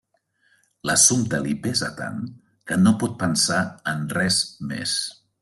L'assumpte li pesa tant que no pot pensar en res més.